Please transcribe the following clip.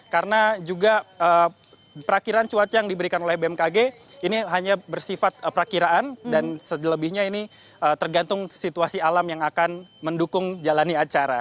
karena juga perakiran cuaca yang diberikan oleh bmkg ini hanya bersifat perakiraan dan selebihnya ini tergantung situasi alam yang akan mendukung jalani acara